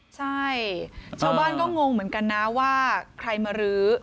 ใช่ชาวบ้านก็งงเหมือนกันนะว่าใครมารื้อ